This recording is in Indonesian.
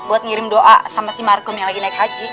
buat ngirim doa sama si markum yang lagi naik haji